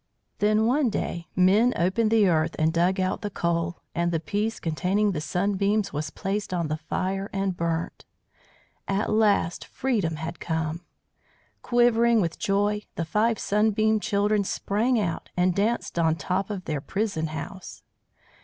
Then one day men opened the earth and dug out the coal, and the piece containing the Sunbeams was placed on the fire and burnt. At last freedom had come. Quivering with joy, the five Sunbeam Children sprang out and danced on top of their prison house.